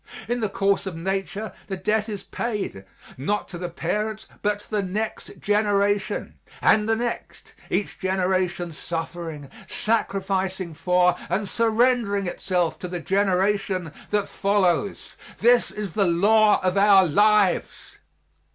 In the course of nature the debt is paid, not to the parent, but to the next generation, and the next each generation suffering, sacrificing for and surrendering itself to the generation that follows. This is the law of our lives.